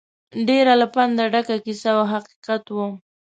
ډېره له پنده ډکه کیسه او حقیقت وه.